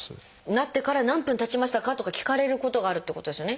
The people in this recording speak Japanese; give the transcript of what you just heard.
「なってから何分たちましたか？」とか聞かれることがあるってことですよね。